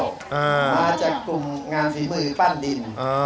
มาจากกลุ่มงานฝีมือปั้นดิน